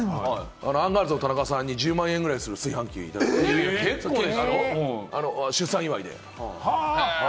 アンガールズの田中さんに１０万円ぐらいする財布をいただきました、出産祝いで。